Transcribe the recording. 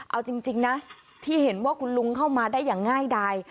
เอาจริงนะที่เห็นว่าคุณลุงเข้ามาได้อย่างง่ายดาย